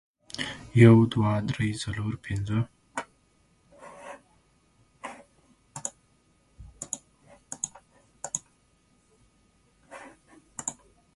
It also refers to Christian Avars who paid tax to the royal treasury.